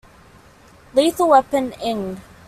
Lethal Weapon, Eng.